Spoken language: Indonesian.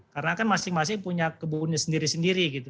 karena kan masing masing punya kebunnya sendiri sendiri gitu